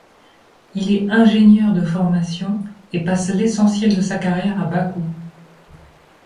Il est ingénieur de formation et passe l'essentiel de sa carrière à Bakou.